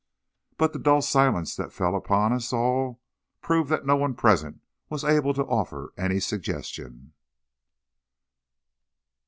But the dull silence that fell on us all proved that no one present was able to offer any suggestion.